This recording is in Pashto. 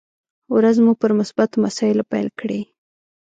ورځ مو پر مثبتو مسايلو پيل کړئ!